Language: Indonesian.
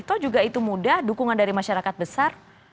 atau juga itu mudah dukungan dari masyarakat besar